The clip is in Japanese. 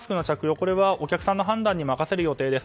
これはお客さんの判断に任せる予定です。